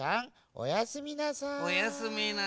おやすみなさい。